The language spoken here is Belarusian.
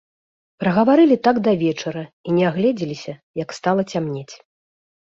Прагаварылі так да вечара і не агледзеліся, як стала цямнець.